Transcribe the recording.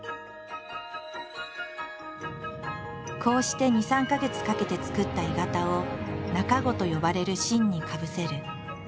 こうして２３か月かけてつくった鋳型を「中子」と呼ばれる芯にかぶせる。